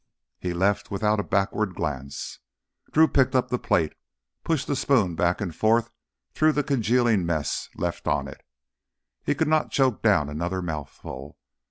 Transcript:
He left without a backward glance. Drew picked up the plate, pushed the spoon back and forth through the congealing mess left on it. He could not choke down another mouthful.